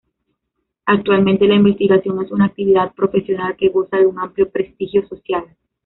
Actualmente, la investigación es una actividad profesional que goza de un amplio prestigio social.